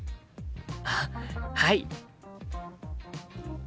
あっはい。